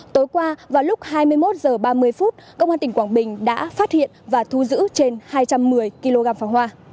tối qua vào lúc hai mươi một h ba mươi phút công an tỉnh quảng bình đã phát hiện và thu giữ trên hai trăm một mươi kg pháo hoa